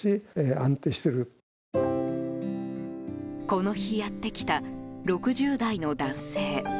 この日、やってきた６０代の男性。